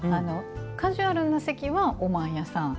カジュアルな席は、おまんやさん。